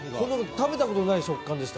食べたことのない食感でした、